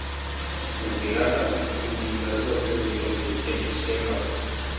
rugira ati " indinda zose zinigirije ishema